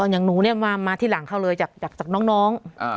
อย่างหนูเนี้ยมามาที่หลังเข้าเลยจากจากจากน้องน้องอ่า